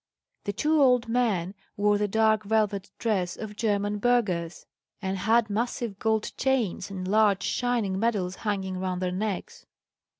The two old men wore the dark velvet dress of German burghers, and had massive gold chains and large shining medals hanging round their necks.